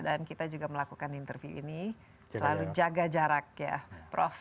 dan kita juga melakukan interview ini selalu jaga jarak ya prof